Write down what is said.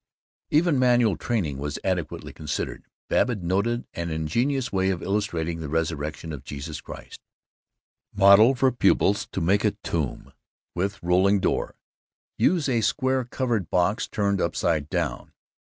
'" Even manual training was adequately considered. Babbitt noted an ingenious way of illustrating the resurrection of Jesus Christ: "Model for Pupils to Make. Tomb with Rolling Door. Use a square covered box turned upside down.